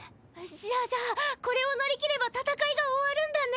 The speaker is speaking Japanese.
じゃあじゃあこれを乗り切れば戦いが終わるんだね。